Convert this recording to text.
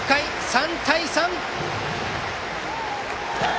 ３対３！